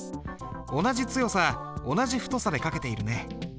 同じ強さ同じ太さで書けているね。